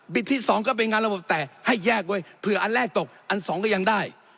ที่สองก็เป็นงานระบบแต่ให้แยกไว้เผื่ออันแรกตกอันสองก็ยังได้